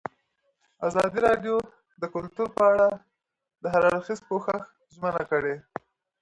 ازادي راډیو د کلتور په اړه د هر اړخیز پوښښ ژمنه کړې.